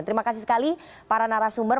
terima kasih sekali para narasumber